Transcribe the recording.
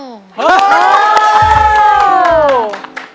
โอ้โห